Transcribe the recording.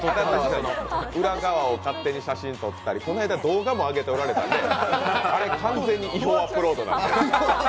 裏側を勝手に写真撮ったり、この間、動画も上げておられたんで、あれ、完全に違法アップロードなんで。